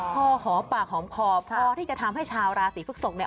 พอหอมปากหอมคอพอที่จะทำให้ชาวราศีพฤกษกเนี่ย